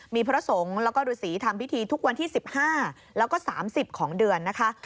มีพระสงฆ์แล้วก็ฤษีทำพิธีทุกวันที่๑๕แล้วก็๓๐ของเดือนนะคะ